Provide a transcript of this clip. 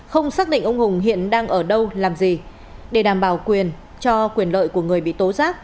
không xác định ông hùng hiện đang ở đâu làm gì để đảm bảo quyền cho quyền lợi của người bị tố giác